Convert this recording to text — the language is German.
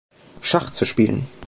Schach zu spielen.